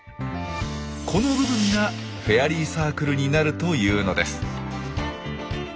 この部分がフェアリーサークルになるというのです。